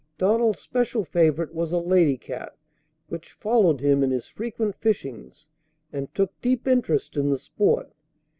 Donald's special favourite was a lady cat, which followed him in his frequent fishings, and took deep interest in the sport.